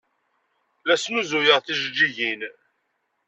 La snuzuyeɣ tijeǧǧigin.